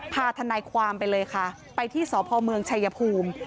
ทนายความไปเลยค่ะไปที่สพเมืองชัยภูมิ